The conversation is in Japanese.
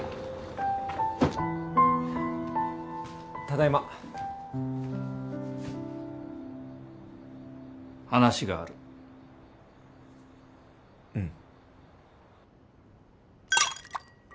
ただいま話があるうん